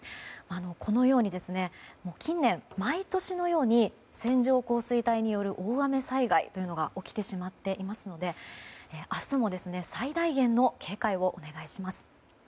このように、近年毎年のように線状降水帯による大雨災害というのが起きてしまっていますので明日も最大限の警戒をお願いします。